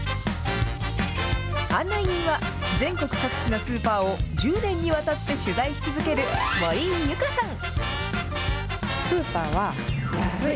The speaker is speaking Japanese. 案内人は、全国各地のスーパーを１０年にわたって取材し続ける、森井ユカさん。